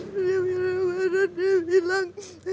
dia marah marah dia bilang